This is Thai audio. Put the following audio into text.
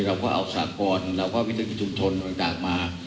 เราก็เอาสากรเราก็วิตามชุมชนต่างมา